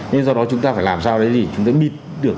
nên do đó chúng ta phải làm sao để bịt được